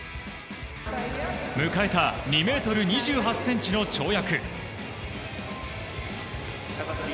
迎えた２ｍ２８ｃｍの跳躍。